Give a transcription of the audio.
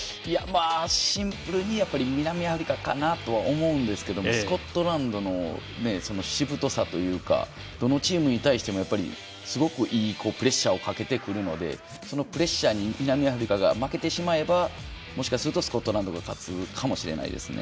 シンプルに南アフリカかなと思うんですがスコットランドのしぶとさというかどのチームに対してもすごくいいプレッシャーをかけてくるのでそのプレッシャーに南アフリカが負けてしまえばもしかするとスコットランドが勝つかもしれないですね。